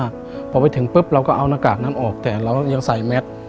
พอไปถึงปุ๊บเราก็เอาหน้ากากนั้นออกแต่เรายังใส่แมส